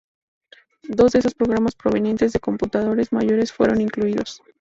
Dos de esos programas provenientes de computadores mayores fueron incluidos.